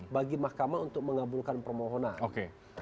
bagi mahkamah untuk mengabulkan permohonan